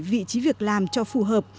vị trí việc làm cho phù hợp